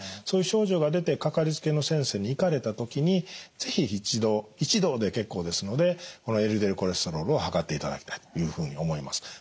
そういう症状が出てかかりつけの先生に行かれた時に是非一度一度で結構ですのでこのＬＤＬコレステロールを測っていただきたいというふうに思います。